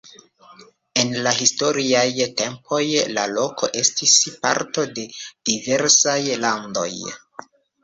En la historiaj tempoj la loko estis parto de diversaj landoj.